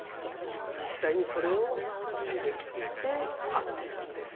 実際にそれを手で切って貼っているんです。